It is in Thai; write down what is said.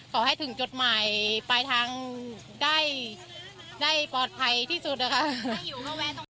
ขอให้ถึงจดหมายไปทางได้ปลอดภัยที่สุดนะคะ